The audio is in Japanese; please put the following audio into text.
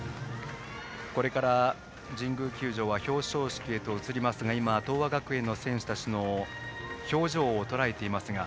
これから神宮球場は表彰式へと移りますが東亜学園の選手たちの表情をとらえていましたが。